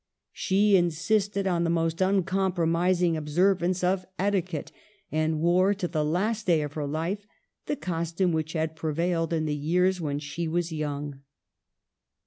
She insisted on the most uncompromising observ ance of etiquette, and wore to the last day of her life the costume which had prevailed in the years when she was young.